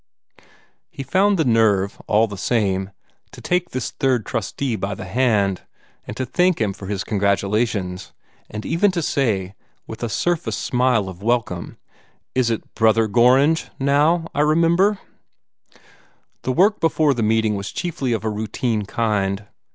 He found the nerve, all the same, to take this third trustee by the hand, and to thank him for his congratulations, and even to say, with a surface smile of welcome, "It is BROTHER Gorringe, now, I remember." The work before the meeting was chiefly of a routine kind.